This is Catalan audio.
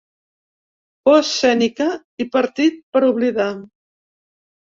“Por escènica” i “partit per oblidar”.